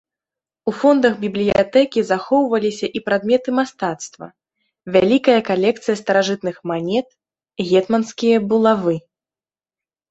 У фондах бібліятэкі захоўваліся і прадметы мастацтва, вялікая калекцыя старажытных манет, гетманскія булавы.